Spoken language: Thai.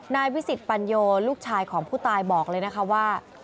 วิสิตปัญโยลูกชายของผู้ตายบอกเลยนะคะว่า